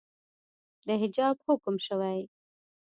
د حجاب حکم شوئ